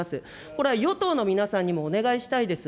これは与党の皆さんにもお願いしたいです。